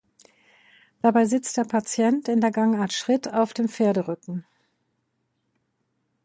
Dabei sitzt der Patient in der Gangart Schritt auf dem Pferderücken.